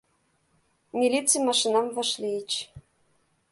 Милиций машинам вашлийыч.